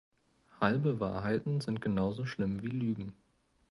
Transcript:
Halbe Wahrheiten sind genauso schlimm wie Lügen.